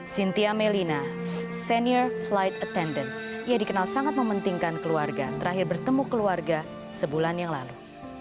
cynthia melina senior flight attendant ia dikenal sangat mementingkan keluarga terakhir bertemu keluarga sebulan yang lalu